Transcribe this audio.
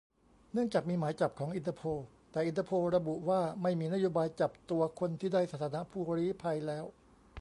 เนื่องจากมีหมายจับของอินเตอร์โพล แต่อินเตอร์โพลระบุว่า ไม่มีนโยบายจับตัวคนที่ได้สถานะผู้ลี้ภัยแล้ว